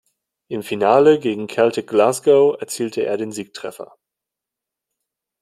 Im Finale gegen Celtic Glasgow erzielte er den Siegtreffer.